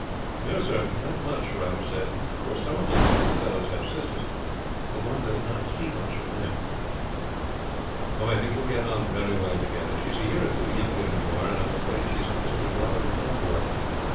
"No, sir; not much," Ralph said. "Of course some of my schoolfellows have sisters, but one does not see much of them." "I think you will get on very well together. She is a year or two younger than you are, and I am afraid she is considered rather a tomboy.